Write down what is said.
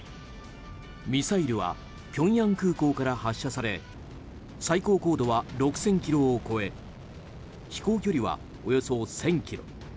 ミサイルはピョンヤン空港から発射され最高高度は６０００ｋｍを超え飛行距離はおよそ１０００ｋｍ。